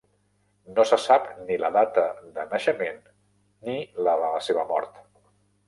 No se sap ni la data de naixement ni la de la seva mort.